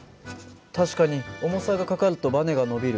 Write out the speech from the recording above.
確かに重さがかかるとばねが伸びる。